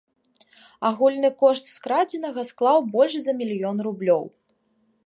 Агульны кошт скрадзенага склаў больш за мільён рублёў.